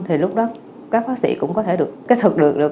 thì lúc đó các bác sĩ cũng có thể được kết thực được